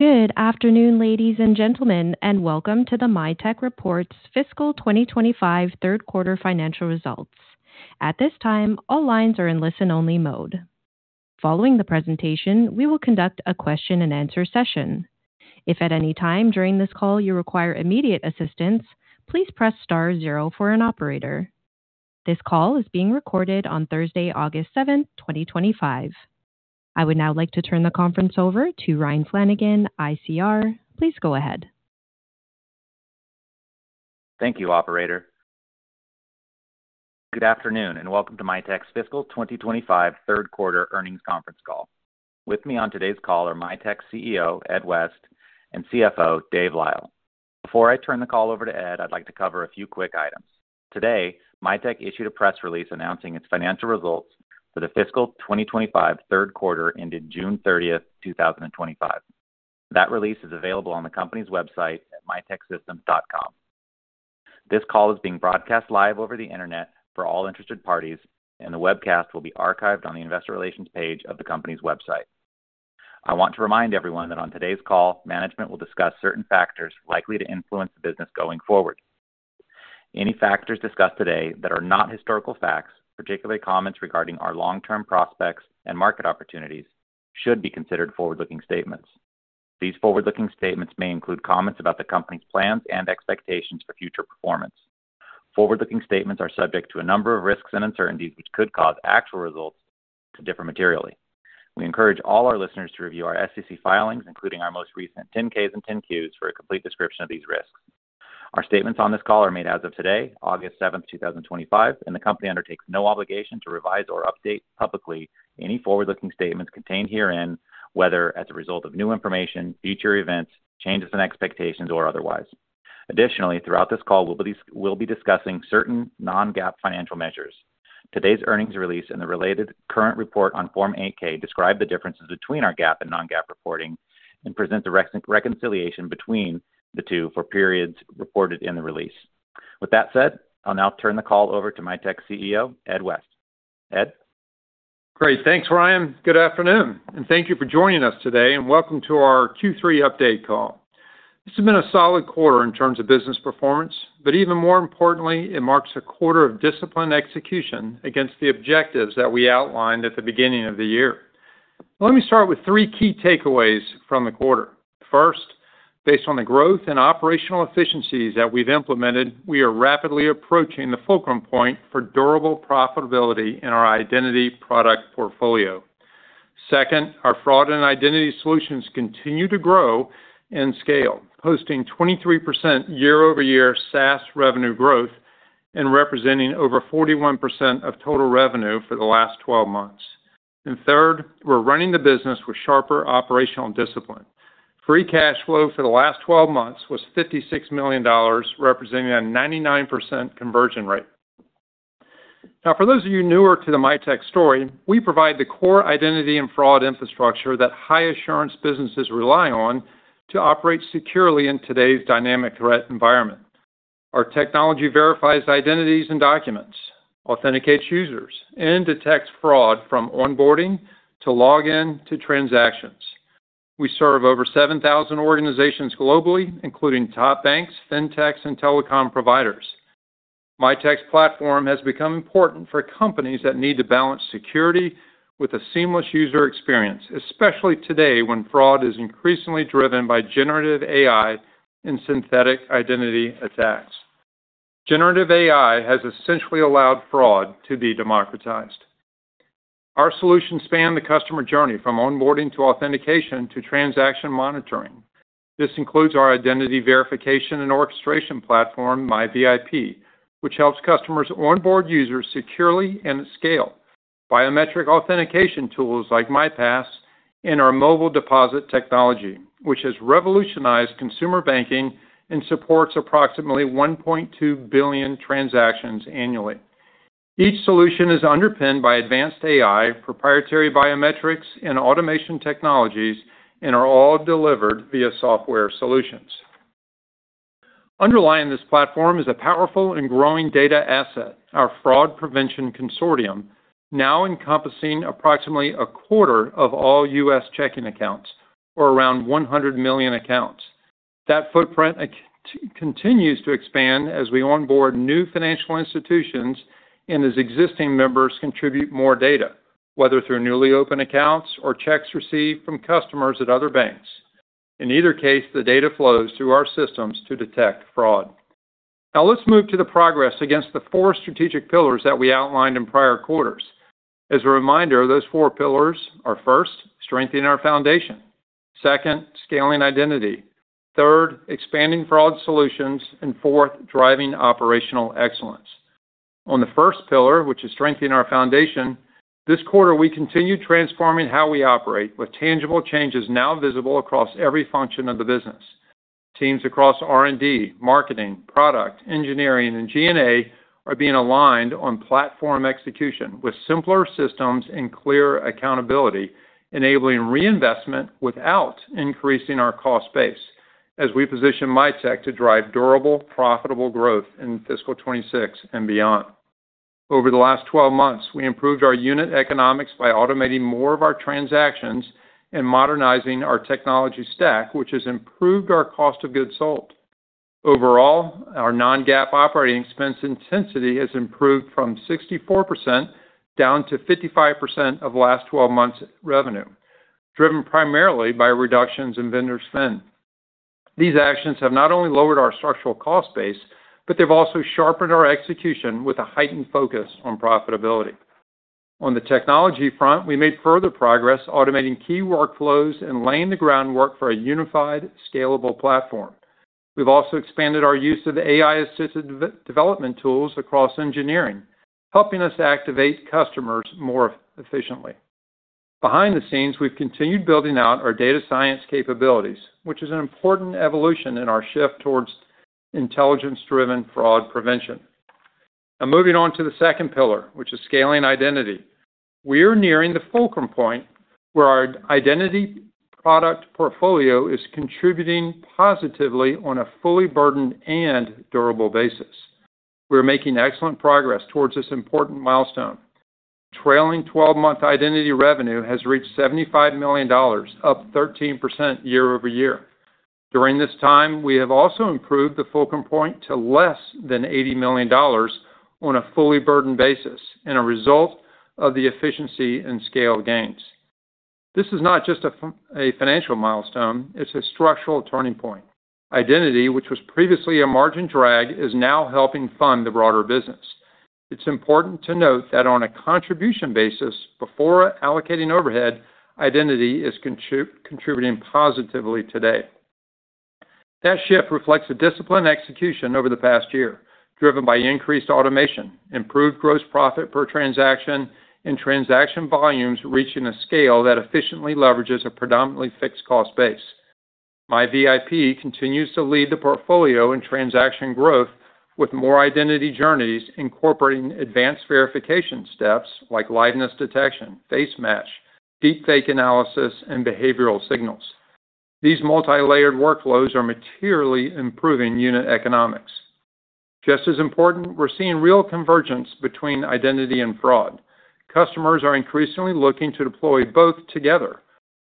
Good afternoon, ladies and gentlemen, and welcome to the Mitek reports fiscal 2025 third quarter financial results. At this time, all lines are in listen-only mode. Following the presentation, we will conduct a question-and-answer session. If at any time during this call you require immediate assistance, please press star zero for an operator. This call is being recorded on Thursday, August 7, 2025. I would now like to turn the conference over to Ryan Flanagan, ICR. Please go ahead. Thank you, operator. Good afternoon, and welcome to Mitek's fiscal 2025 third quarter earnings conference call. With me on today's call are Mitek's CEO, Ed West, and CFO, Dave Lyle. Before I turn the call over to Ed, I'd like to cover a few quick items. Today, Mitek issued a press release announcing its financial results for the fiscal 2025 third quarter ended June 30, 2025. That release is available on the company's website, miteksystems.com. This call is being broadcast live over the internet for all interested parties, and the webcast will be archived on the investor relations page of the company's website. I want to remind everyone that on today's call, management will discuss certain factors likely to influence the business going forward. Any factors discussed today that are not historical facts, particularly comments regarding our long-term prospects and market opportunities, should be considered forward-looking statements. These forward-looking statements may include comments about the company's plans and expectations for future performance. Forward-looking statements are subject to a number of risks and uncertainties which could cause actual results to differ materially. We encourage all our listeners to review our SEC filings, including our most recent 10-Ks and 10-Qs, for a complete description of these risks. Our statements on this call are made as of today, August 7, 2025, and the company undertakes no obligation to revise or update publicly any forward-looking statements contained herein, whether as a result of new information, future events, changes in expectations, or otherwise. Additionally, throughout this call, we'll be discussing certain non-GAAP financial measures. Today's earnings release and the related current report on Form 8-K describe the differences between our GAAP and non-GAAP reporting and present a reconciliation between the two for periods reported in the release. With that said, I'll now turn the call over to Mitek's CEO, Ed West. Ed? Great, thanks, Ryan. Good afternoon, and thank you for joining us today, and welcome to our Q3 update call. This has been a solid quarter in terms of business performance, but even more importantly, it marks a quarter of disciplined execution against the objectives that we outlined at the beginning of the year. Let me start with three key takeaways from the quarter. First, based on the growth in operational efficiencies that we've implemented, we are rapidly approaching the fulcrum point for durable profitability in our identity product portfolio. Second, our fraud and identity solutions continue to grow and scale, posting 23% year-over-year SaaS revenue growth and representing over 41% of total revenue for the last 12 months. Third, we're running the business with sharper operational discipline. Free cash flow for the last 12 months was $56 million, representing a 99% conversion rate. Now, for those of you newer to the Mitek story, we provide the core identity and fraud infrastructure that high-assurance businesses rely on to operate securely in today's dynamic threat environment. Our technology verifies identities and documents, authenticates users, and detects fraud from onboarding to login to transactions. We serve over 7,000 organizations globally, including top banks, fintechs, and telecom providers. Mitek's platform has become important for companies that need to balance security with a seamless user experience, especially today when fraud is increasingly driven by generative AI and synthetic identity attacks. Generative AI has essentially allowed fraud to be democratized. Our solutions span the customer journey from onboarding to authentication to transaction monitoring. This includes our identity verification and orchestration platform, MiVIP, which helps customers onboard users securely and at scale, biometric authentication tools like MiPass, and our Mobile Deposit technology, which has revolutionized consumer banking and supports approximately 1.2 billion transactions annually. Each solution is underpinned by advanced AI, proprietary biometrics, and automation technologies, and are all delivered via software solutions. Underlying this platform is a powerful and growing data asset, our fraud prevention consortium, now encompassing approximately a quarter of all U.S. checking accounts, or around 100 million accounts. That footprint continues to expand as we onboard new financial institutions and as existing members contribute more data, whether through newly opened accounts or checks received from customers at other banks. In either case, the data flows through our systems to detect fraud. Now, let's move to the progress against the four strategic pillars that we outlined in prior quarters. As a reminder, those four pillars are: first, strengthening our foundation; second, scaling identity; third, expanding fraud solutions; and fourth, driving operational excellence. On the first pillar, which is strengthening our foundation, this quarter we continue transforming how we operate with tangible changes now visible across every function of the business. Teams across R&D, marketing, product, engineering, and G&A are being aligned on platform execution with simpler systems and clearer accountability, enabling reinvestment without increasing our cost base, as we position Mitek to drive durable, profitable growth in fiscal 2026 and beyond. Over the last 12 months, we improved our unit economics by automating more of our transactions and modernizing our technology stack, which has improved our cost of goods sold. Overall, our non-GAAP operating expense intensity has improved from 64% down to 55% of the last 12 months' revenue, driven primarily by reductions in vendor spend. These actions have not only lowered our structural cost base, but they've also sharpened our execution with a heightened focus on profitability. On the technology front, we made further progress automating key workflows and laying the groundwork for a unified, scalable platform. We've also expanded our use of the AI-assisted development tools across engineering, helping us to activate customers more efficiently. Behind the scenes, we've continued building out our data science capabilities, which is an important evolution in our shift towards intelligence-driven fraud prevention. Now, moving on to the second pillar, which is scaling identity, we are nearing the fulcrum point where our identity product portfolio is contributing positively on a fully burdened and durable basis. We're making excellent progress towards this important milestone. Trailing 12-month identity revenue has reached $75 million, up 13% year-over-year. During this time, we have also improved the fulcrum point to less than $80 million on a fully burdened basis and a result of the efficiency and scale gains. This is not just a financial milestone, it's a structural turning point. Identity, which was previously a margin drag, is now helping fund the broader business. It's important to note that on a contribution basis, before allocating overhead, identity is contributing positively today. That shift reflects a disciplined execution over the past year, driven by increased automation, improved gross profit per transaction, and transaction volumes reaching a scale that efficiently leverages a predominantly fixed cost base. MiVIP continues to lead the portfolio in transaction growth with more identity journeys, incorporating advanced verification steps like liveness detection, face mesh, deepfake analysis, and behavioral signals. These multi-layered workflows are materially improving unit economics. Just as important, we're seeing real convergence between identity and fraud. Customers are increasingly looking to deploy both together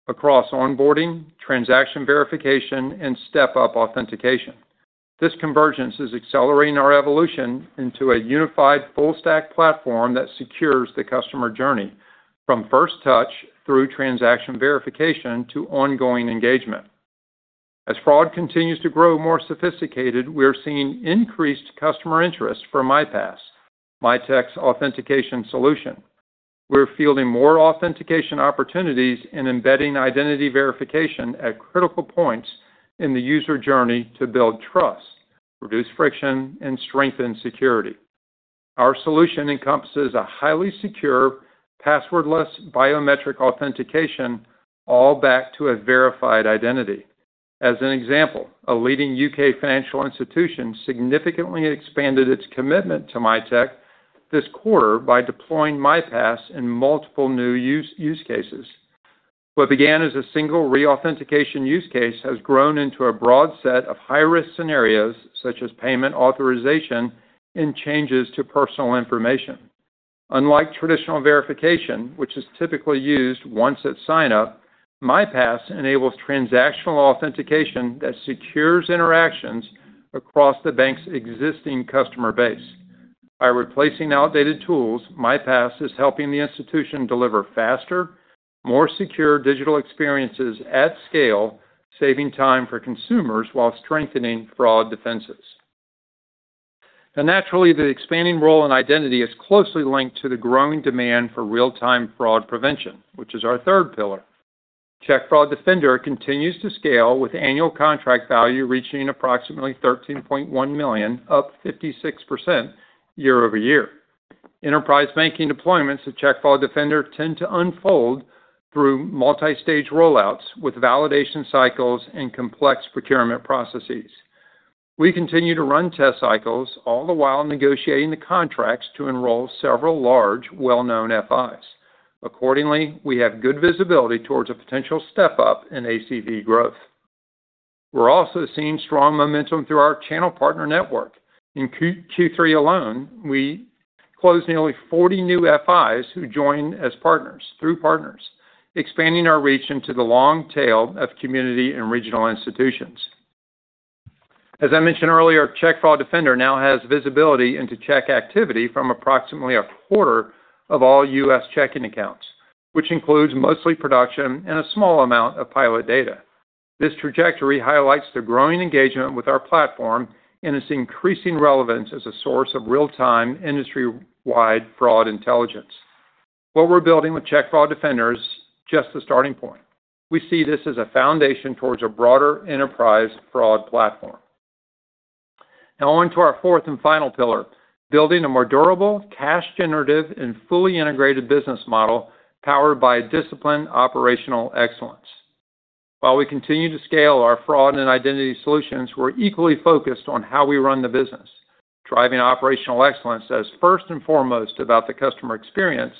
across onboarding, transaction verification, and step-up authentication. This convergence is accelerating our evolution into a unified full-stack platform that secures the customer journey from first touch through transaction verification to ongoing engagement. As fraud continues to grow more sophisticated, we are seeing increased customer interest from MiPass, Mitek's authentication solution. We're fielding more authentication opportunities and embedding identity verification at critical points in the user journey to build trust, reduce friction, and strengthen security. Our solution encompasses a highly secure, passwordless biometric authentication, all back to a verified identity. As an example, a leading U.K. financial institution significantly expanded its commitment to Mitek this quarter by deploying MiPass in multiple new use cases. What began as a single reauthentication use case has grown into a broad set of high-risk scenarios, such as payment authorization and changes to personal information. Unlike traditional verification, which is typically used once at sign-up, MiPass enables transactional authentication that secures interactions across the bank's existing customer base. By replacing outdated tools, MiPass is helping the institution deliver faster, more secure digital experiences at scale, saving time for consumers while strengthening fraud defenses. Naturally, the expanding role in identity is closely linked to the growing demand for real-time fraud prevention, which is our third pillar. Check Fraud Defender continues to scale with annual contract value reaching approximately $13.1 million, up 56% year-over-year. Enterprise banking deployments of Check Fraud Defender tend to unfold through multi-stage rollouts with validation cycles and complex procurement processes. We continue to run test cycles, all the while negotiating the contracts to enroll several large, well-known FIs. Accordingly, we have good visibility towards a potential step-up in ACV growth. We're also seeing strong momentum through our channel partner network. In Q3 alone, we closed nearly 40 new FIs who joined as partners, through partners, expanding our reach into the long tail of community and regional institutions. As I mentioned earlier, Check Fraud Defender now has visibility into check activity from approximately a quarter of all U.S. checking accounts, which includes mostly production and a small amount of pilot data. This trajectory highlights the growing engagement with our platform and its increasing relevance as a source of real-time, industry-wide fraud intelligence. What we're building with Check Fraud Defender is just the starting point. We see this as a foundation towards a broader enterprise fraud platform. Now, on to our fourth and final pillar, building a more durable, cash-generative, and fully integrated business model powered by disciplined operational excellence. While we continue to scale our fraud and identity solutions, we're equally focused on how we run the business, driving operational excellence as first and foremost about the customer experience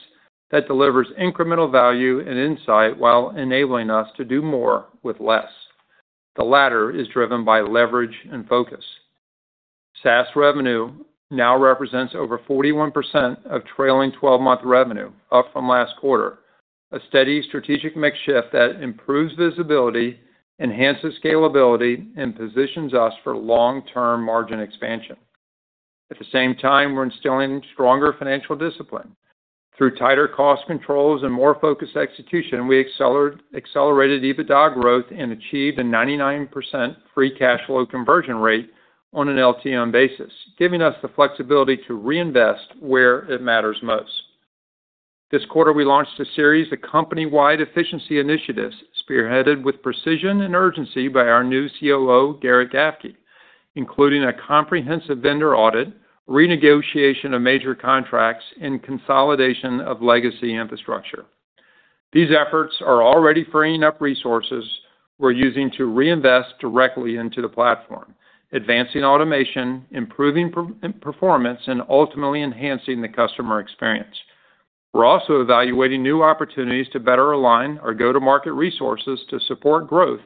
that delivers incremental value and insight while enabling us to do more with less. The latter is driven by leverage and focus. SaaS revenue now represents over 41% of trailing 12-month revenue, up from last quarter, a steady strategic mix shift that improves visibility, enhances scalability, and positions us for long-term margin expansion. At the same time, we're instilling stronger financial discipline. Through tighter cost controls and more focused execution, we accelerated EBITDA growth and achieved a 99% free cash flow conversion rate on an LTM basis, giving us the flexibility to reinvest where it matters most. This quarter, we launched a series of company-wide efficiency initiatives spearheaded with precision and urgency by our new COO, Garrett Gafke, including a comprehensive vendor audit, renegotiation of major contracts, and consolidation of legacy infrastructure. These efforts are already freeing up resources we're using to reinvest directly into the platform, advancing automation, improving performance, and ultimately enhancing the customer experience. We're also evaluating new opportunities to better align our go-to-market resources to support growth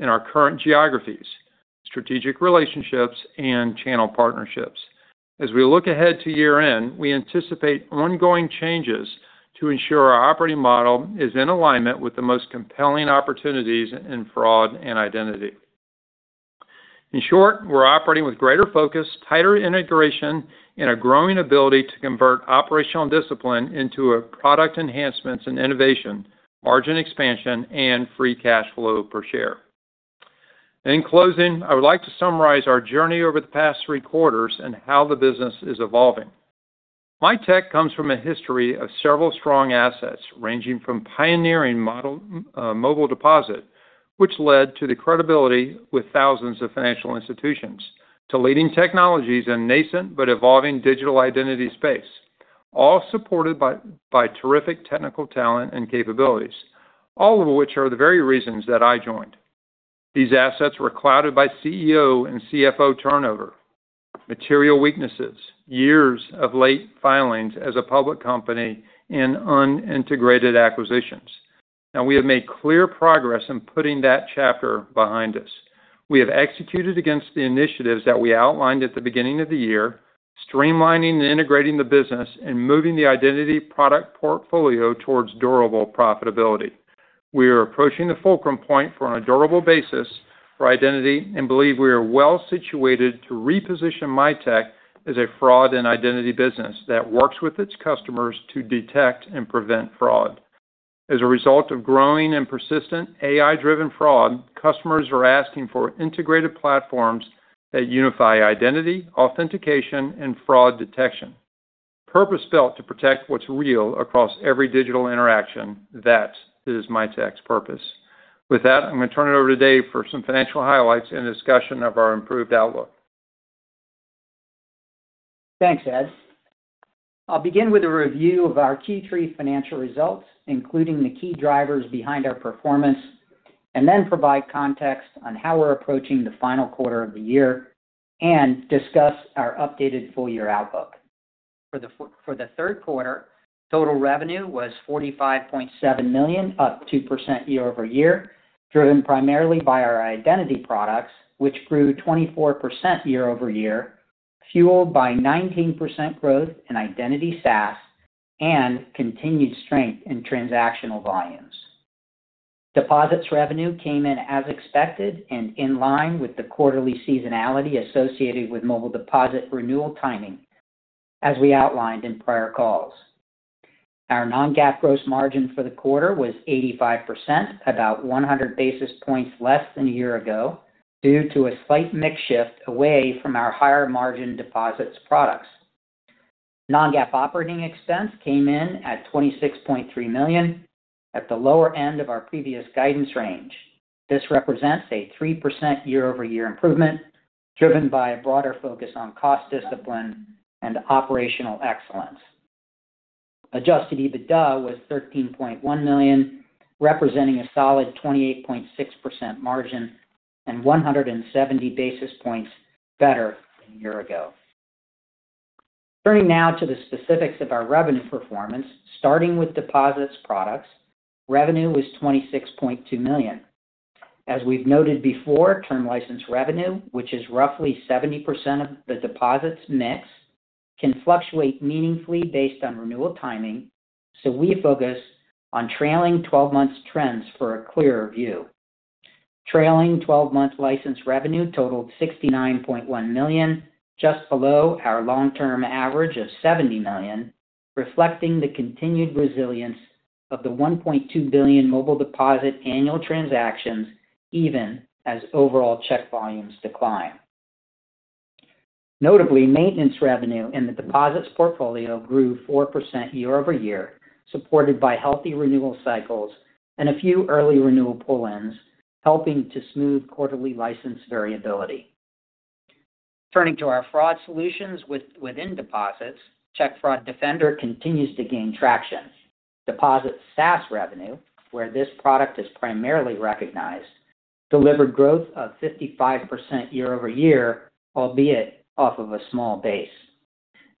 in our current geographies, strategic relationships, and channel partnerships. As we look ahead to year-end, we anticipate ongoing changes to ensure our operating model is in alignment with the most compelling opportunities in fraud and identity. In short, we're operating with greater focus, tighter integration, and a growing ability to convert operational discipline into product enhancements and innovation, margin expansion, and free cash flow per share. In closing, I would like to summarize our journey over the past three quarters and how the business is evolving. Mitek comes from a history of several strong assets, ranging from pioneering Mobile Deposit, which led to the credibility with thousands of financial institutions, to leading technologies in a nascent but evolving digital identity space, all supported by terrific technical talent and capabilities, all of which are the very reasons that I joined. These assets were clouded by CEO and CFO turnover, material weaknesses, years of late filings as a public company, and unintegrated acquisitions. Now, we have made clear progress in putting that chapter behind us. We have executed against the initiatives that we outlined at the beginning of the year, streamlining and integrating the business and moving the identity product portfolio towards durable profitability. We are approaching the fulcrum point for on a durable basis for identity and believe we are well situated to reposition Mitek as a fraud and identity business that works with its customers to detect and prevent fraud. As a result of growing and persistent AI-driven fraud, customers are asking for integrated platforms that unify identity, authentication, and fraud detection. Purpose-built to protect what's real across every digital interaction, that is Mitek's purpose. With that, I'm going to turn it over to Dave Lyle for some financial highlights and a discussion of our improved outlook. Thanks, Ed. I'll begin with a review of our Q3 financial results, including the key drivers behind our performance, and then provide context on how we're approaching the final quarter of the year and discuss our updated full-year outlook. For the third quarter, total revenue was $45.7 million, up 2% year-over-year, driven primarily by our identity products, which grew 24% year-over-year, fueled by 19% growth in identity SaaS and continued strength in transactional volumes. Deposits revenue came in as expected and in line with the quarterly seasonality associated with Mobile Deposit renewal timing, as we outlined in prior calls. Our non-GAAP gross margin for the quarter was 85%, about 100 basis points less than a year ago, due to a slight mix shift away from our higher margin deposits products. Non-GAAP operating expense came in at $26.3 million, at the lower end of our previous guidance range. This represents a 3% year-over-year improvement, driven by a broader focus on cost discipline and operational excellence. Adjusted EBITDA was $13.1 million, representing a solid 28.6% margin and 170 basis points better than a year ago. Turning now to the specifics of our revenue performance, starting with deposits products, revenue was $26.2 million. As we've noted before, term license revenue, which is roughly 70% of the deposits mix, can fluctuate meaningfully based on renewal timing, so we focus on trailing 12-month trends for a clearer view. Trailing 12-month license revenue totaled $69.1 million, just below our long-term average of $70 million, reflecting the continued resilience of the $1.2 billion Mobile Deposit annual transactions, even as overall check volumes decline. Notably, maintenance revenue in the deposits portfolio grew 4% year-over-year, supported by healthy renewal cycles and a few early renewal pull-ins, helping to smooth quarterly license variability. Turning to our fraud solutions within deposits, Check Fraud Defender continues to gain traction. Deposit SaaS revenue, where this product is primarily recognized, delivered growth of 55% year-over-year, albeit off of a small base.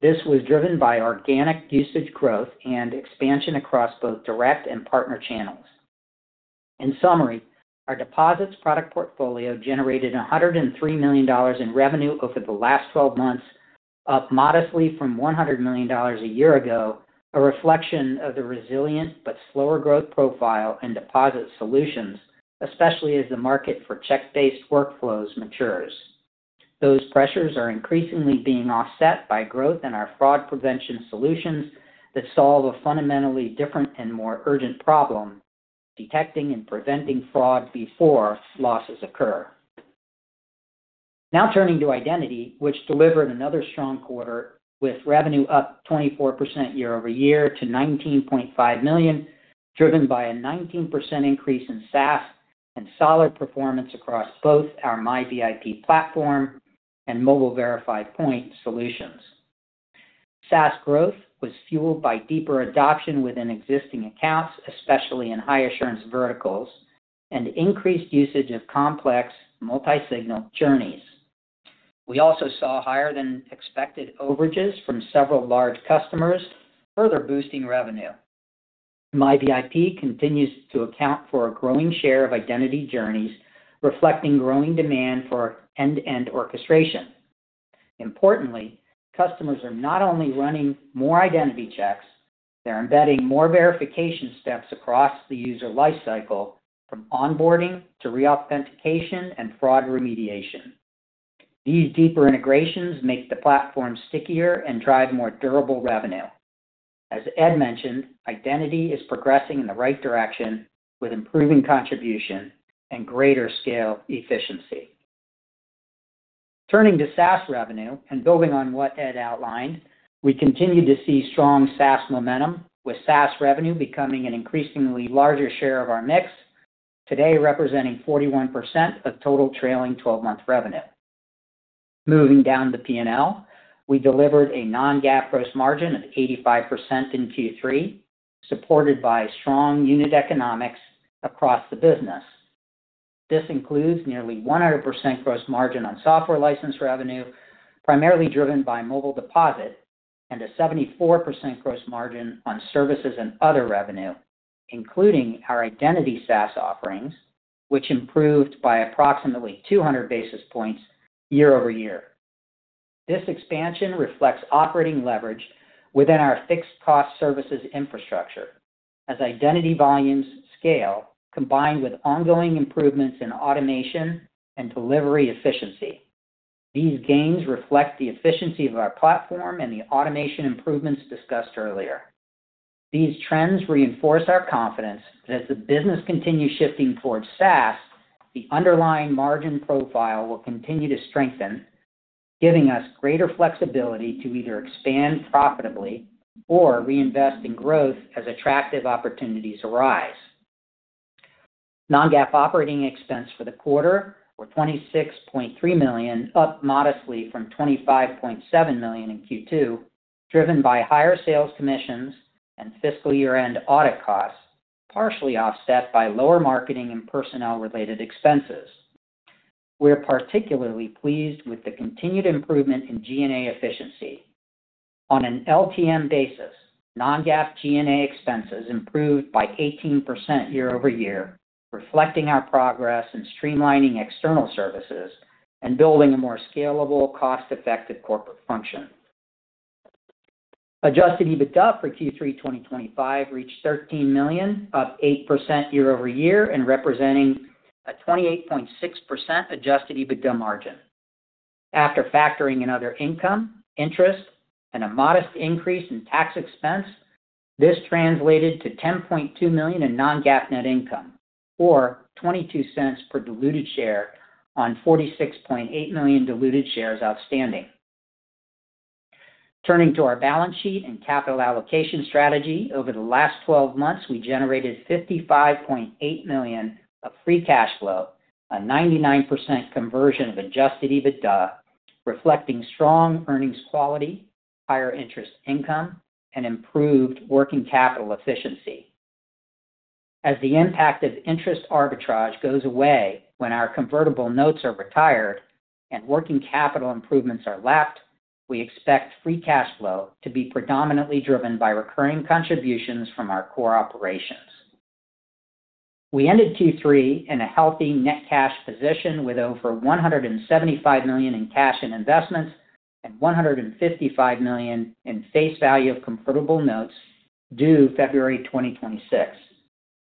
This was driven by organic usage growth and expansion across both direct and partner channels. In summary, our deposits product portfolio generated $103 million in revenue over the last 12 months, up modestly from $100 million a year ago, a reflection of the resilient but slower growth profile in deposit solutions, especially as the market for check-based workflows matures. Those pressures are increasingly being offset by growth in our fraud prevention solutions that solve a fundamentally different and more urgent problem: detecting and preventing fraud before losses occur. Now turning to identity, which delivered another strong quarter with revenue up 24% year-over-year to $19.5 million, driven by a 19% increase in SaaS and solid performance across both our MiVIP platform and Mobile Verify point solutions. SaaS growth was fueled by deeper adoption within existing accounts, especially in high-assurance verticals, and increased usage of complex multi-signal journeys. We also saw higher-than-expected overages from several large customers, further boosting revenue. MiVIP continues to account for a growing share of identity journeys, reflecting growing demand for end-to-end orchestration. Importantly, customers are not only running more identity checks; they're embedding more verification steps across the user lifecycle, from onboarding to reauthentication and fraud remediation. These deeper integrations make the platform stickier and drive more durable revenue. As Ed mentioned, identity is progressing in the right direction with improving contribution and greater scale efficiency. Turning to SaaS revenue and building on what Ed outlined, we continue to see strong SaaS momentum, with SaaS revenue becoming an increasingly larger share of our mix, today representing 41% of total trailing 12-month revenue. Moving down the P&L, we delivered a non-GAAP gross margin of 85% in Q3, supported by strong unit economics across the business. This includes nearly 100% gross margin on software license revenue, primarily driven by Mobile Deposit, and a 74% gross margin on services and other revenue, including our identity SaaS offerings, which improved by approximately 200 basis points year-over-year. This expansion reflects operating leverage within our fixed-cost services infrastructure. As identity volumes scale, combined with ongoing improvements in automation and delivery efficiency, these gains reflect the efficiency of our platform and the automation improvements discussed earlier. These trends reinforced our confidence that as the business continues shifting towards SaaS, the underlying margin profile will continue to strengthen, giving us greater flexibility to either expand profitably or reinvest in growth as attractive opportunities arise. Non-GAAP operating expense for the quarter was $26.3 million, up modestly from $25.7 million in Q2, driven by higher sales commissions and fiscal year-end audit costs, partially offset by lower marketing and personnel-related expenses. We're particularly pleased with the continued improvement in G&A efficiency. On an LTM basis, non-GAAP G&A expenses improved by 18% year-over-year, reflecting our progress in streamlining external services and building a more scalable, cost-effective corporate function. Adjusted EBITDA for Q3 2025 reached $13 million, up 8% year-over-year and representing a 28.6% adjusted EBITDA margin. After factoring in other income, interest, and a modest increase in tax expense, this translated to $10.2 million in non-GAAP net income, or $0.22 per diluted share on 46.8 million diluted shares outstanding. Turning to our balance sheet and capital allocation strategy, over the last 12 months, we generated $55.8 million of free cash flow, a 99% conversion of adjusted EBITDA, reflecting strong earnings quality, higher interest income, and improved working capital efficiency. As the impact of interest arbitrage goes away when our convertible notes are retired and working capital improvements are left, we expect free cash flow to be predominantly driven by recurring contributions from our core operations. We ended Q3 in a healthy net cash position with over $175 million in cash and investments and $155 million in face value of convertible notes due February 2026.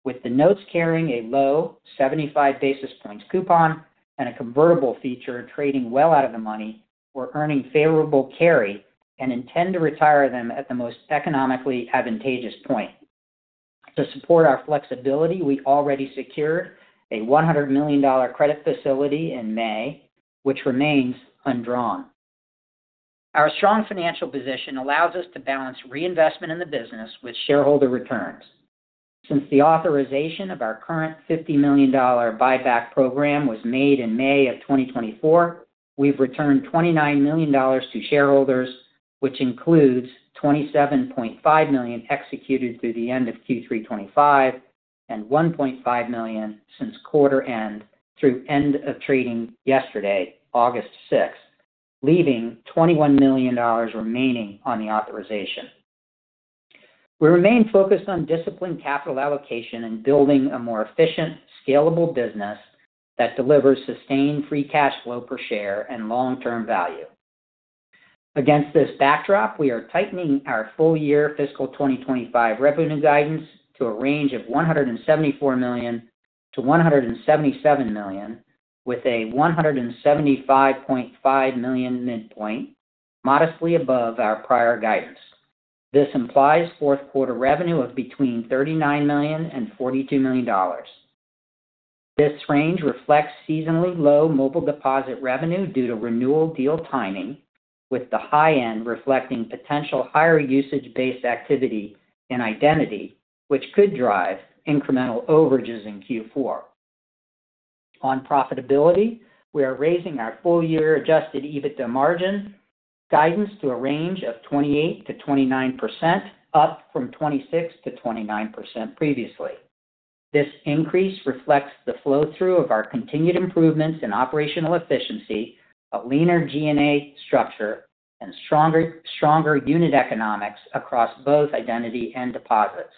With the notes carrying a low 75 basis points coupon and a convertible feature trading well out of the money, we're earning favorable carry and intend to retire them at the most economically advantageous point. To support our flexibility, we already secured a $100 million credit facility in May, which remains undrawn. Our strong financial position allows us to balance reinvestment in the business with shareholder returns. Since the authorization of our current $50 million buyback program was made in May of 2024, we've returned $29 million to shareholders, which includes $27.5 million executed through the end of Q3 2025 and $1.5 million since quarter end through end of trading yesterday, August 6, leaving $21 million remaining on the authorization. We remain focused on disciplined capital allocation and building a more efficient, scalable business that delivers sustained free cash flow per share and long-term value. Against this backdrop, we are tightening our full-year fiscal 2025 revenue guidance to a range of $174 million-$177 million, with a $175.5 million midpoint, modestly above our prior guidance. This implies fourth quarter revenue of between $39 million and $42 million. This range reflects seasonally low Mobile Deposit revenue due to renewal deal timing, with the high end reflecting potential higher usage-based activity in identity, which could drive incremental overages in Q4. On profitability, we are raising our full-year adjusted EBITDA margin guidance to a range of 28%-29%, up from 26%-29% previously. This increase reflects the flow-through of our continued improvements in operational efficiency, a leaner G&A structure, and stronger unit economics across both identity and deposits.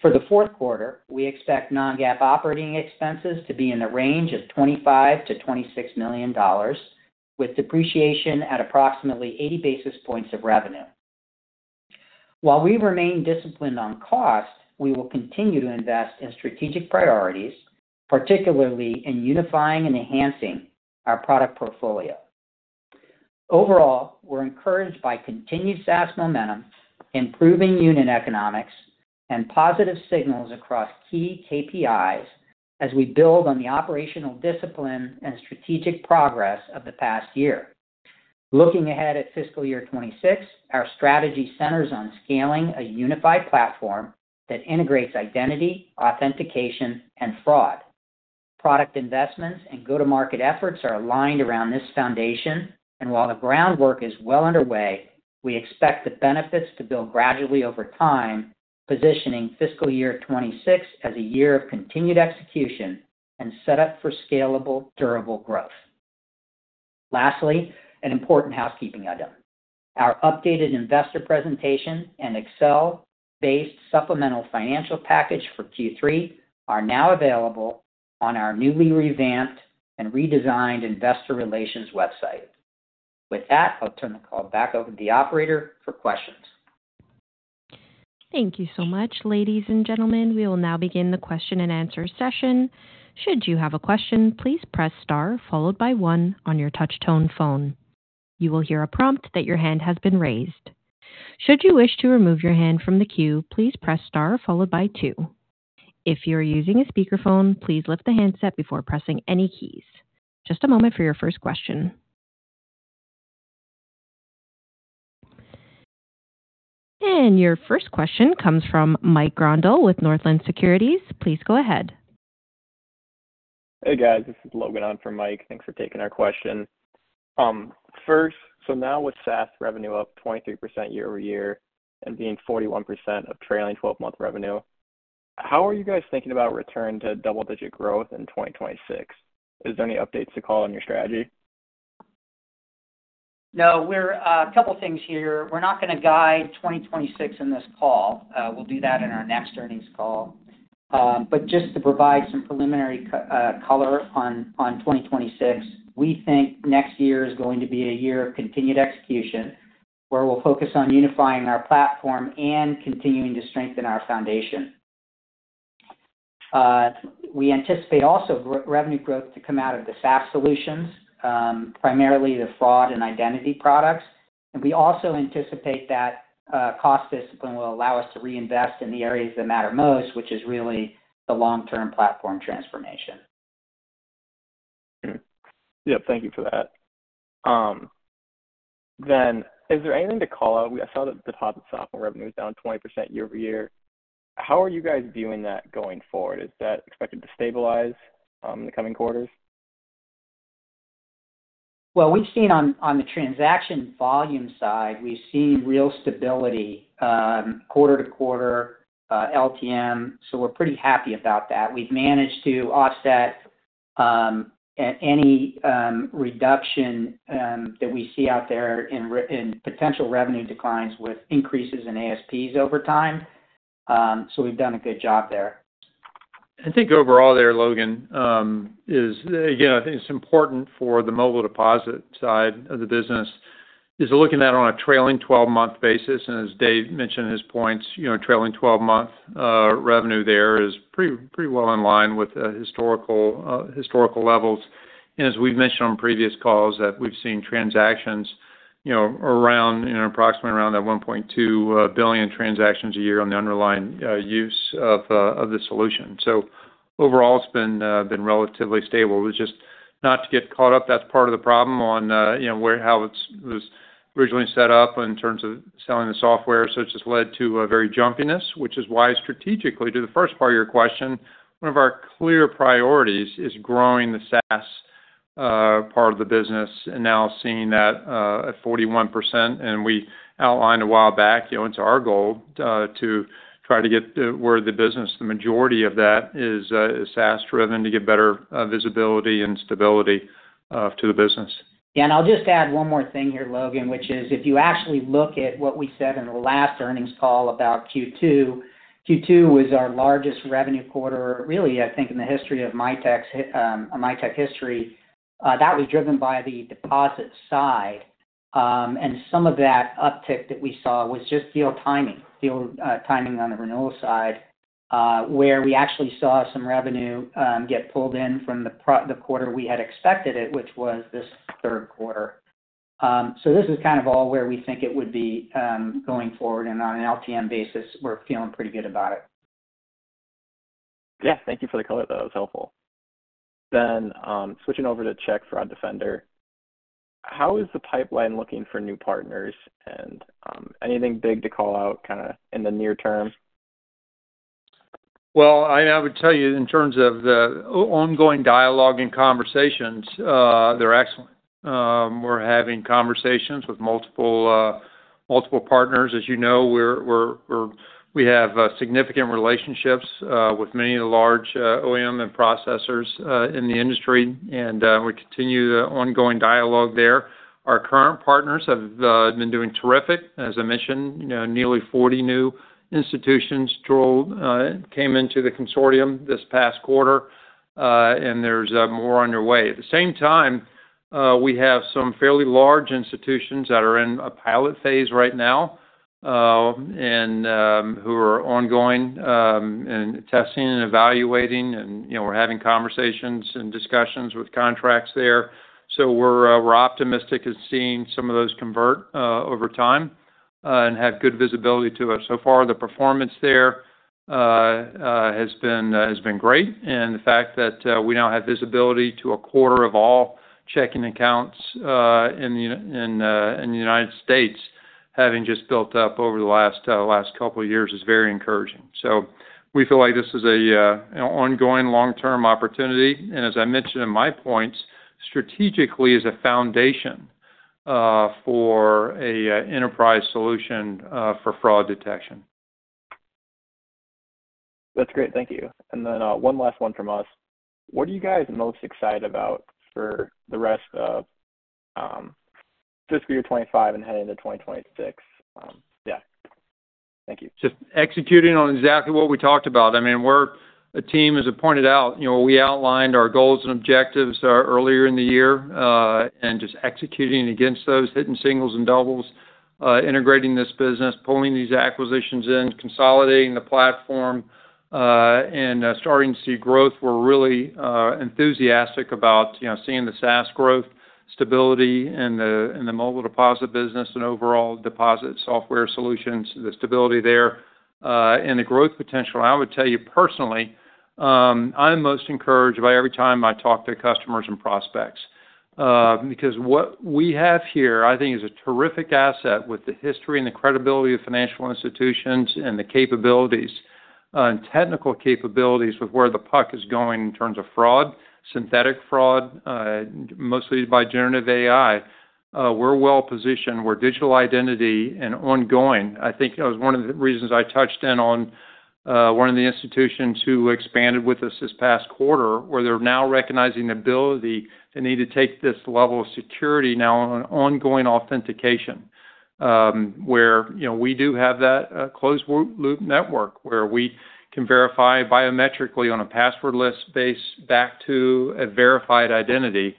For the fourth quarter, we expect non-GAAP operating expenses to be in the range of $25 million-$26 million, with depreciation at approximately 80 basis points of revenue. While we remain disciplined on cost, we will continue to invest in strategic priorities, particularly in unifying and enhancing our product portfolio. Overall, we're encouraged by continued SaaS momentum, improving unit economics, and positive signals across key KPIs as we build on the operational discipline and strategic progress of the past year. Looking ahead at fiscal year 2026, our strategy centers on scaling a unified platform that integrates identity, authentication, and fraud. Product investments and go-to-market efforts are aligned around this foundation, and while the groundwork is well underway, we expect the benefits to build gradually over time, positioning fiscal year 2026 as a year of continued execution and setup for scalable, durable growth. Lastly, an important housekeeping item. Our updated investor presentation and Excel-based supplemental financial package for Q3 are now available on our newly revamped and redesigned investor relations website. With that, I'll turn the call back over to the operator for questions. Thank you so much, ladies and gentlemen. We will now begin the question and answer session. Should you have a question, please press star followed by one on your touch-tone phone. You will hear a prompt that your hand has been raised. Should you wish to remove your hand from the queue, please press star followed by two. If you are using a speakerphone, please lift the handset before pressing any keys. Just a moment for your first question. Your first question comes from Mike Grondahl with Northland Securities. Please go ahead. Hey, guys. This is Logan on for Mike. Thanks for taking our question. Now with SaaS revenue up 23% year-over-year and being 41% of trailing 12-month revenue, how are you guys thinking about return to double-digit growth in 2026? Is there any updates to call on your strategy? No, we're a couple of things here. We're not going to guide 2026 in this call. We'll do that in our next earnings call. Just to provide some preliminary color on 2026, we think next year is going to be a year of continued execution where we'll focus on unifying our platform and continuing to strengthen our foundation. We anticipate also revenue growth to come out of the SaaS solutions, primarily the fraud and identity products. We also anticipate that cost discipline will allow us to reinvest in the areas that matter most, which is really the long-term platform transformation. Thank you for that. Is there anything to call out? I saw that the top software revenue is down 20% year-over-year. How are you guys viewing that going forward? Is that expected to stabilize in the coming quarters? On the transaction volume side, we've seen real stability quarter to quarter LTM, so we're pretty happy about that. We've managed to offset any reduction that we see out there in potential revenue declines with increases in ASPs over time. We've done a good job there. I think overall there, Logan, it's important for the Mobile Deposit side of the business to look at it on a trailing 12-month basis. As Dave mentioned, trailing 12-month revenue there is pretty well in line with historical levels. As we've mentioned on previous calls, we've seen transactions approximately around $1.2 billion transactions a year on the underlying use of the solution. Overall, it's been relatively stable. It's just not to get caught up, that's part of the problem on how it was originally set up in terms of selling the software. It's just led to a very jumpiness, which is why, strategically, to the first part of your question, one of our clear priorities is growing the SaaS part of the business and now seeing that at 41%. We outlined a while back, it's our goal to try to get to where the business, the majority of that is SaaS driven to get better visibility and stability to the business. Yeah, and I'll just add one more thing here, Logan, which is if you actually look at what we said in the last earnings call about Q2, Q2 was our largest revenue quarter, really, I think, in the history of Mitek's history. That was driven by the deposit side, and some of that uptick that we saw was just deal timing, deal timing on the renewal side, where we actually saw some revenue get pulled in from the quarter we had expected it, which was this third quarter. This is kind of all where we think it would be going forward. On an LTM basis, we're feeling pretty good about it. Thank you for the clarity. That was helpful. Switching over to Check Fraud Defender, how is the pipeline looking for new partners, and anything big to call out in the near term? In terms of the ongoing dialogue and conversations, they're excellent. We're having conversations with multiple partners. As you know, we have significant relationships with many of the large OEM and processors in the industry, and we continue the ongoing dialogue there. Our current partners have been doing terrific. As I mentioned, nearly 40 new institutions came into the consortium this past quarter, and there's more on your way. At the same time, we have some fairly large institutions that are in a pilot phase right now and who are ongoing and testing and evaluating. We're having conversations and discussions with contracts there. We're optimistic in seeing some of those convert over time and have good visibility to us. So far, the performance there has been great, and the fact that we now have visibility to a quarter of all checking accounts in the U.S., having just built up over the last couple of years, is very encouraging. We feel like this is an ongoing long-term opportunity. As I mentioned in my points, strategically it is a foundation for an enterprise solution for fraud detection. That's great. Thank you. One last one from us. What are you guys most excited about for the rest of fiscal year 2025 and heading into 2026? Yeah, thank you. Just executing on exactly what we talked about. I mean, we're a team, as I pointed out, you know, we outlined our goals and objectives earlier in the year and just executing against those, hitting singles and doubles, integrating this business, pulling these acquisitions in, consolidating the platform, and starting to see growth. We're really enthusiastic about, you know, seeing the SaaS growth, stability in the Mobile Deposit business and overall deposit software solutions, the stability there, and the growth potential. I would tell you personally, I'm most encouraged by every time I talk to customers and prospects because what we have here, I think, is a terrific asset with the history and the credibility of financial institutions and the capabilities and technical capabilities with where the puck is going in terms of fraud, synthetic fraud, mostly by generative AI. We're well positioned where digital identity and ongoing, I think, it was one of the reasons I touched in on one of the institutions who expanded with us this past quarter, where they're now recognizing the ability and need to take this level of security now on ongoing authentication where, you know, we do have that closed loop network where we can verify biometrically on a passwordless base back to a verified identity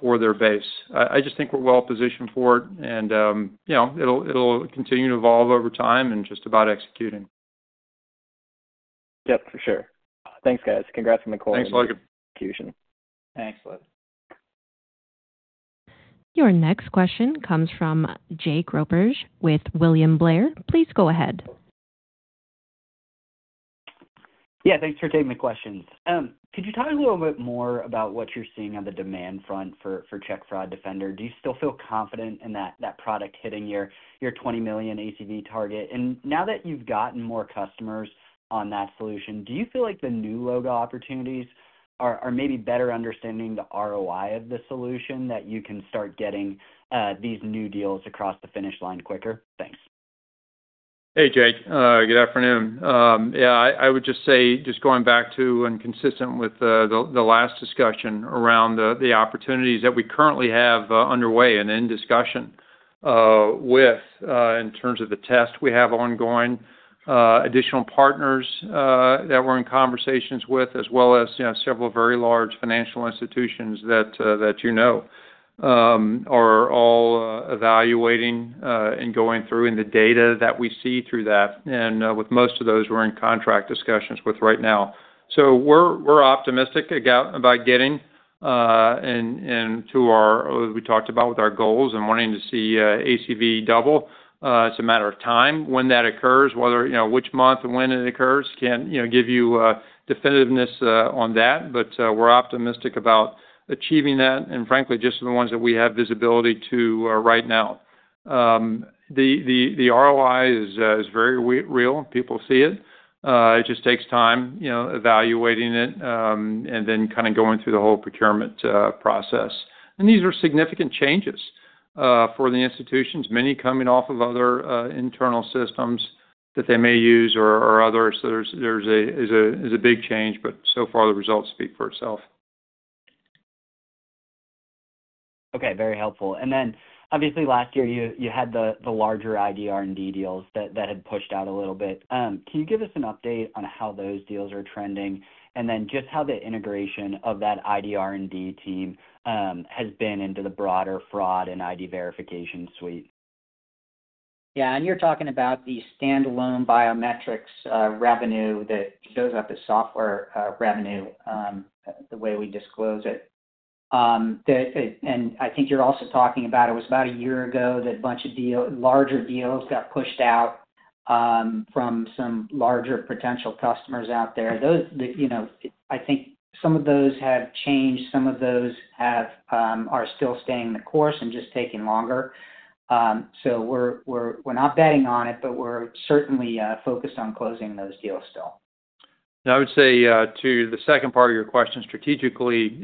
for their base. I just think we're well positioned for it, and, you know, it'll continue to evolve over time and just about executing. Yep, for sure. Thanks, guys. Congrats on the quarter. Thanks, Logan. Excellent. Your next question comes from Jake Roberge with William Blair. Please go ahead. Yeah, thanks for taking the questions. Could you talk a little bit more about what you're seeing on the demand front for Check Fraud Defender? Do you still feel confident in that product hitting your $20 million ACV target? Now that you've gotten more customers on that solution, do you feel like the new logo opportunities are maybe better understanding the ROI of the solution, that you can start getting these new deals across the finish line quicker? Thanks. Hey, Jake. Good afternoon. I would just say, just going back to and consistent with the last discussion around the opportunities that we currently have underway and in discussion with in terms of the test we have ongoing, additional partners that we're in conversations with, as well as several very large financial institutions that you know are all evaluating and going through in the data that we see through that. With most of those, we're in contract discussions with right now. We're optimistic about getting into our, as we talked about with our goals and wanting to see ACV double. It's a matter of time when that occurs, whether, you know, which month and when it occurs, can't, you know, give you definitiveness on that. We're optimistic about achieving that and, frankly, just the ones that we have visibility to right now. The ROI is very real. People see it. It just takes time, you know, evaluating it and then kind of going through the whole procurement process. These are significant changes for the institutions, many coming off of other internal systems that they may use or others. There's a big change, but so far, the results speak for itself. Okay, very helpful. Last year, you had the larger ID R&D deals that had pushed out a little bit. Can you give us an update on how those deals are trending and just how the integration of that ID R&D team has been into the broader fraud and ID verification suite? Yeah, and you're talking about the standalone biometrics revenue that shows up as software revenue the way we disclose it. I think you're also talking about it was about a year ago that a bunch of larger deals got pushed out from some larger potential customers out there. Those, you know, I think some of those have changed. Some of those are still staying the course and just taking longer. We're not betting on it, but we're certainly focused on closing those deals still. I would say to the second part of your question, strategically,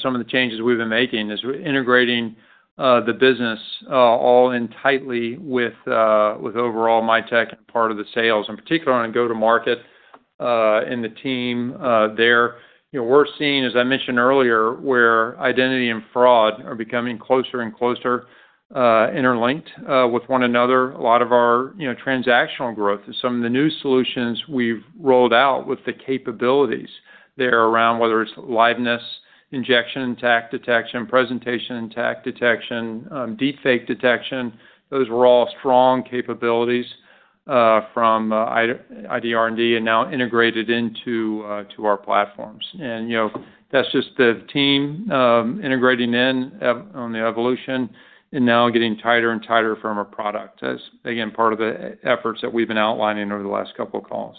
some of the changes we've been making are integrating the business all in tightly with overall Mitek, part of the sales, in particular on a go-to-market in the team there. We're seeing, as I mentioned earlier, where identity and fraud are becoming closer and closer interlinked with one another. A lot of our transactional growth is some of the new solutions we've rolled out with the capabilities there around whether it's liveness, injection and attack detection, presentation and attack detection, deepfake detection. Those were all strong capabilities from ID R&D and now integrated into our platforms. That's just the team integrating in on the evolution and now getting tighter and tighter from a product. That's, again, part of the efforts that we've been outlining over the last couple of calls.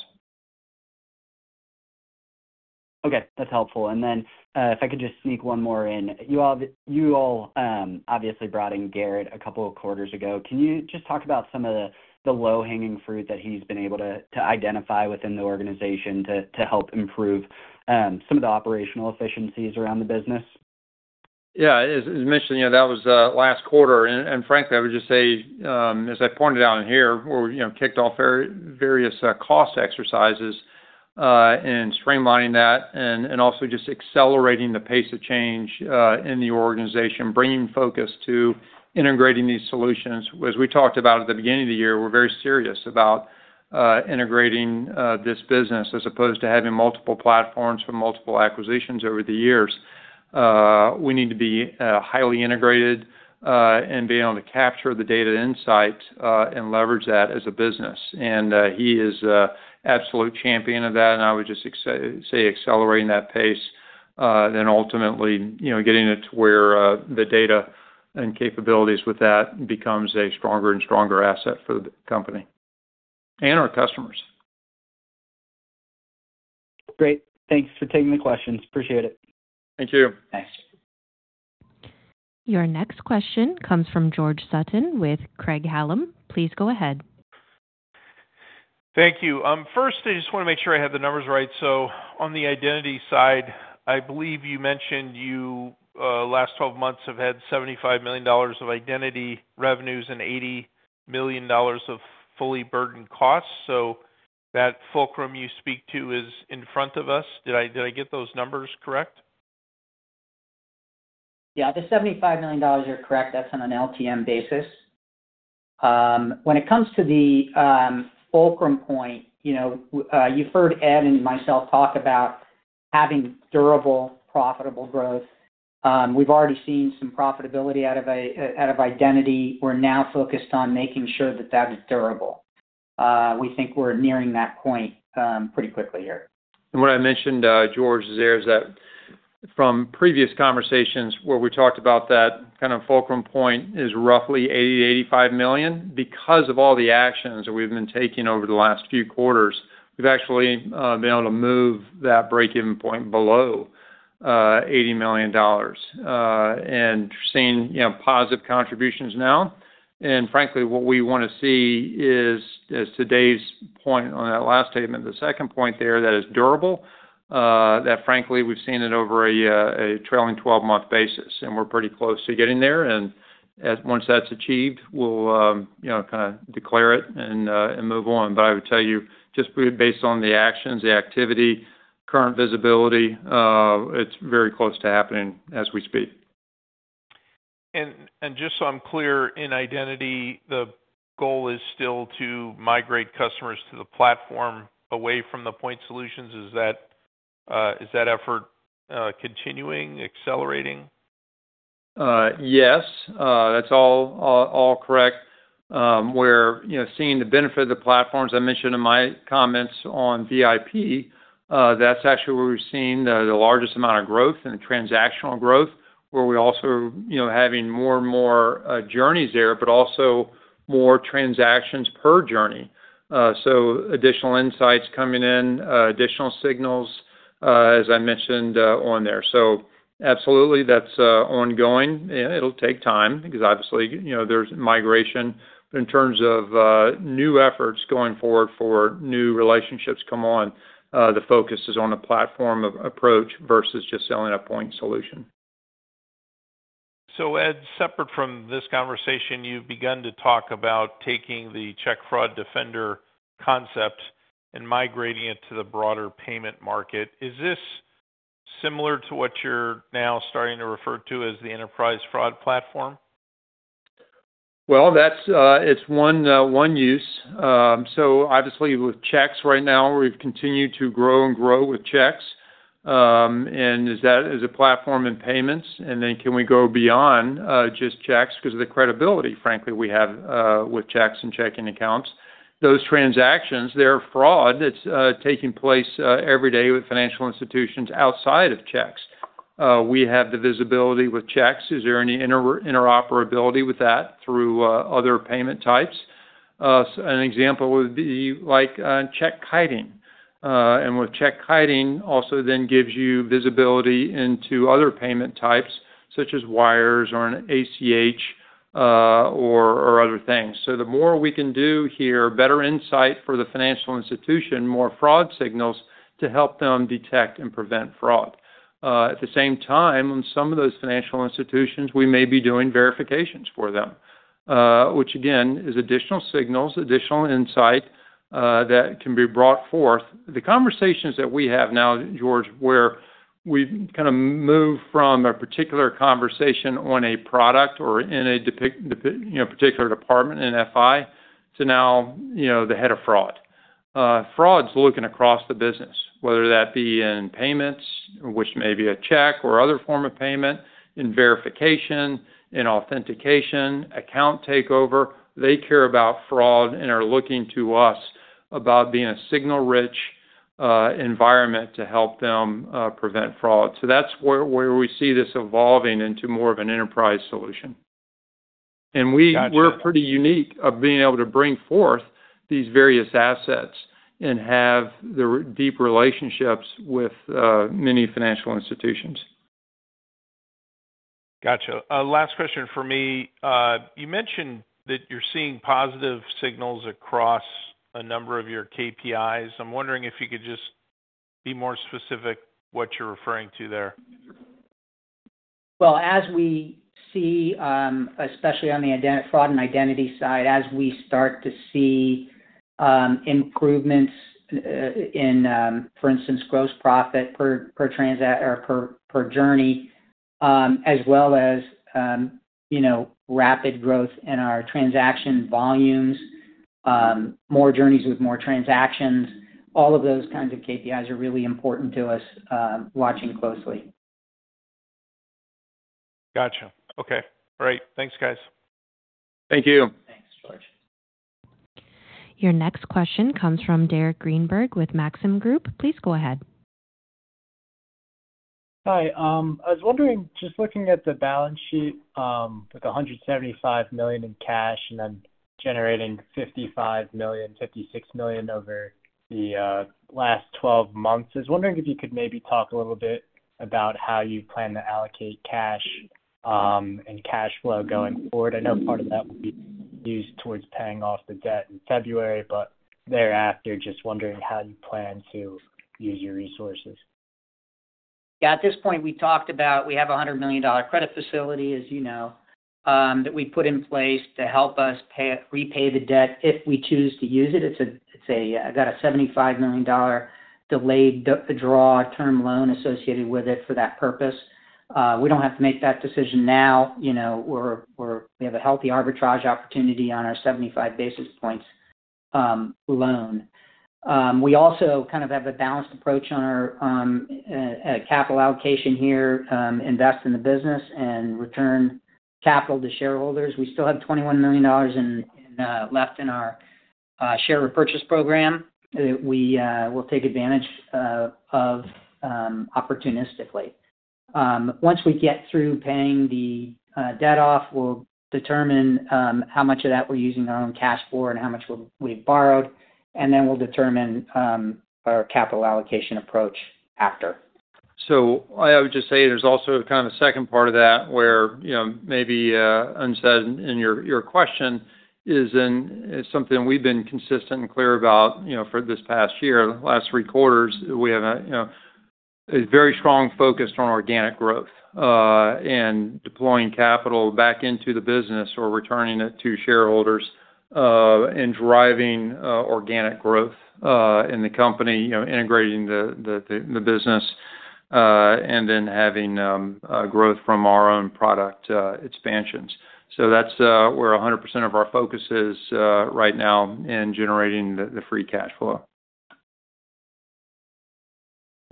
Okay, that's helpful. If I could just sneak one more in, you all obviously brought in Garrett a couple of quarters ago. Can you just talk about some of the low-hanging fruit that he's been able to identify within the organization to help improve some of the operational efficiencies around the business? Yeah, as I mentioned, that was last quarter. Frankly, I would just say, as I pointed out in here, we kicked off various cost exercises in streamlining that and also just accelerating the pace of change in the organization, bringing focus to integrating these solutions. As we talked about at the beginning of the year, we're very serious about integrating this business as opposed to having multiple platforms from multiple acquisitions over the years. We need to be highly integrated and be able to capture the data insight and leverage that as a business. He is an absolute champion of that. I would just say accelerating that pace, then ultimately, getting it to where the data and capabilities with that become a stronger and stronger asset for the company and our customers. Great. Thanks for taking the questions. Appreciate it. Thank you. Thanks. Your next question comes from George Sutton with Craig-Hallum. Please go ahead. Thank you. First, I just want to make sure I have the numbers right. On the identity side, I believe you mentioned you last 12 months have had $75 million of identity revenues and $80 million of fully burdened costs. That fulcrum you speak to is in front of us. Did I get those numbers correct? Yeah, the $75 million, you're correct. That's on an LTM basis. When it comes to the fulcrum point, you know, you've heard Ed and myself talk about having durable, profitable growth. We've already seen some profitability out of identity. We're now focused on making sure that that is durable. We think we're nearing that point pretty quickly here. What I mentioned, George, is that from previous conversations where we talked about that kind of fulcrum point, it is roughly $80 million-$85 million. Because of all the actions that we've been taking over the last few quarters, we've actually been able to move that break-even point below $80 million and are seeing positive contributions now. Frankly, what we want to see is, as to today's point on that last statement, the second point there that is durable, we've seen it over a trailing 12-month basis. We're pretty close to getting there. Once that's achieved, we'll declare it and move on. I would tell you, just based on the actions, the activity, current visibility, it's very close to happening as we speak. Just so I'm clear, in identity, the goal is still to migrate customers to the platform away from the point solutions. Is that effort continuing, accelerating? Yes, that's all correct. We're seeing the benefit of the platforms. I mentioned in my comments on MiVIP, that's actually where we've seen the largest amount of growth in the transactional growth, where we're also having more and more journeys there, but also more transactions per journey. Additional insights are coming in, additional signals, as I mentioned on there. Absolutely, that's ongoing. It'll take time because obviously, there's migration. In terms of new efforts going forward for new relationships to come on, the focus is on a platform approach versus just selling a point solution. Ed, separate from this conversation, you've begun to talk about taking the Check Fraud Defender concept and migrating it to the broader payment market. Is this similar to what you're now starting to refer to as the enterprise fraud platform? It is one use. Obviously, with checks right now, we've continued to grow and grow with checks. Is that as a platform in payments? Can we go beyond just checks? Because of the credibility we have with checks and checking accounts, those transactions, there's fraud that's taking place every day with financial institutions outside of checks. We have the visibility with checks. Is there any interoperability with that through other payment types? An example would be like check hiding. With check hiding, that also then gives you visibility into other payment types, such as wires or an ACH or other things. The more we can do here, better insight for the financial institution, more fraud signals to help them detect and prevent fraud. At the same time, on some of those financial institutions, we may be doing verifications for them, which again is additional signals, additional insight that can be brought forth. The conversations that we have now, George, where we kind of move from a particular conversation on a product or in a particular department in FI to now, you know, the head of fraud. Fraud's looking across the business, whether that be in payments, which may be a check or other form of payment, in verification, in authentication, account takeover. They care about fraud and are looking to us about being a signal-rich environment to help them prevent fraud. That is where we see this evolving into more of an enterprise solution. We are pretty unique of being able to bring forth these various assets and have the deep relationships with many financial institutions. Gotcha. Last question for me. You mentioned that you're seeing positive signals across a number of your KPIs. I'm wondering if you could just be more specific what you're referring to there. As we see, especially on the fraud and identity side, as we start to see improvements in, for instance, gross profit per journey, as well as rapid growth in our transaction volumes, more journeys with more transactions, all of those kinds of KPIs are really important to us watching closely. Gotcha. Okay. All right. Thanks, guys. Thank you. Thanks, George. Your next question comes from Derek Greenberg with Maxim Group. Please go ahead. Hi. I was wondering, just looking at the balance sheet with $175 million in cash and then generating $55 million-$56 million over the last 12 months, I was wondering if you could maybe talk a little bit about how you plan to allocate cash and cash flow going forward. I know part of that will be used towards paying off the debt in February, but thereafter, just wondering how you plan to use your resources. Yeah, at this point, we talked about we have a $100 million credit facility, as you know, that we put in place to help us repay the debt if we choose to use it. It's a $75 million delayed withdrawal term loan associated with it for that purpose. We don't have to make that decision now. You know, we have a healthy arbitrage opportunity on our 75 basis points loan. We also kind of have a balanced approach on our capital allocation here, invest in the business and return capital to shareholders. We still have $21 million left in our share repurchase program that we will take advantage of opportunistically. Once we get through paying the debt off, we'll determine how much of that we're using our own cash for and how much we've borrowed. Then we'll determine our capital allocation approach after. There is also kind of a second part of that where, you know, maybe unsaid in your question is something we've been consistent and clear about, you know, for this past year, the last three quarters, we have a very strong focus on organic growth and deploying capital back into the business or returning it to shareholders and driving organic growth in the company, you know, integrating the business and then having growth from our own product expansions. That is where 100% of our focus is right now in generating the free cash flow.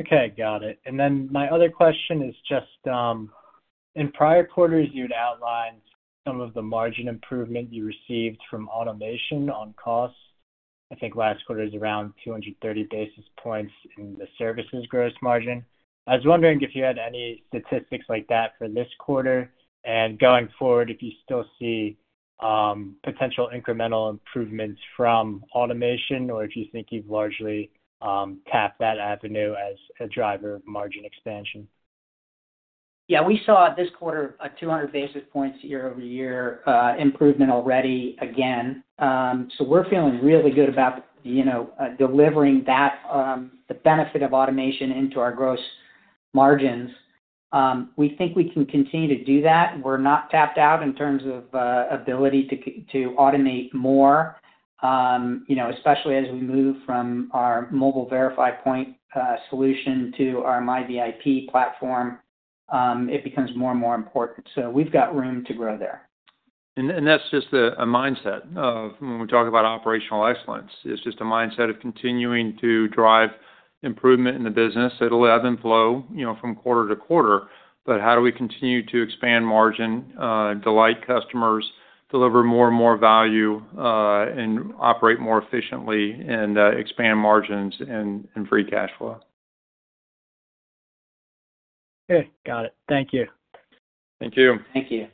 Okay, got it. My other question is just in prior quarters, you had outlined some of the margin improvement you received from automation on cost. I think last quarter it was around 230 basis points in the services gross margin. I was wondering if you had any statistics like that for this quarter and going forward if you still see potential incremental improvements from automation or if you think you've largely tapped that avenue as a driver of margin expansion. Yeah, we saw this quarter a 200 basis points year-over-year improvement already again. We're feeling really good about, you know, delivering that, the benefit of automation into our gross margins. We think we can continue to do that. We're not tapped out in terms of ability to automate more, especially as we move from our Mobile Verify point solution to our MiVIP platform. It becomes more and more important. We've got room to grow there. That is just a mindset of when we talk about operational excellence. It is just a mindset of continuing to drive improvement in the business. It will ebb and flow from quarter to quarter. How do we continue to expand margin, delight customers, deliver more and more value, and operate more efficiently and expand margins and free cash flow. Okay, got it. Thank you. Thank you. Thank you.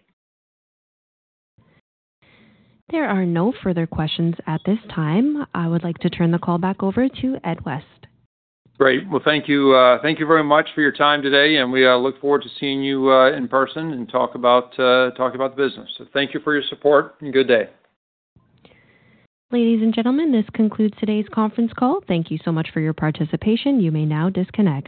There are no further questions at this time. I would like to turn the call back over to Ed West. Great. Thank you very much for your time today, and we look forward to seeing you in person and talking about the business. Thank you for your support and good day. Ladies and gentlemen, this concludes today's conference call. Thank you so much for your participation. You may now disconnect.